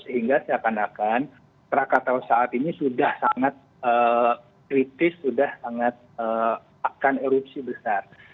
sehingga seakan akan krakatau saat ini sudah sangat kritis sudah sangat akan erupsi besar